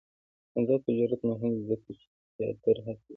آزاد تجارت مهم دی ځکه چې تیاتر هڅوي.